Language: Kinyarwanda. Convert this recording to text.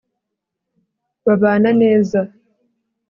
babana neza